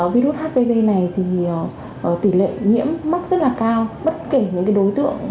virus hpv này thì tỷ lệ nhiễm mắc rất là cao